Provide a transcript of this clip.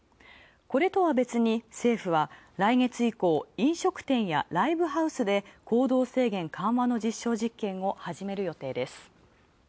これとは別に政府は飲食店やライブハウスで行動制限緩和実験を始める予定です。